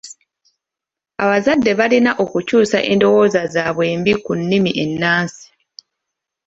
Abazadde balina okukyusa endowooza zaabwe embi ku nnimi ennansi.